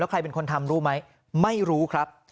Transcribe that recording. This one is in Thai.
ใครเป็นคนทำรู้ไหมไม่รู้ครับ